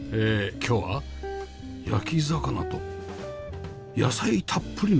今日は焼き魚と野菜たっぷりの和食です